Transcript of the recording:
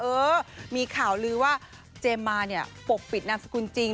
เออมีข่าวลือว่าเจมส์มาเนี่ยปกปิดนามสกุลจริง